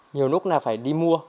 nhiều lúc là phải đi mua